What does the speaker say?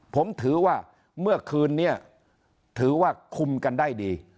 ผมถือว่าเมื่อคืนนี้ถือว่าคุมกันได้ดี